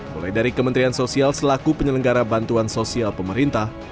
mulai dari kementerian sosial selaku penyelenggara bantuan sosial pemerintah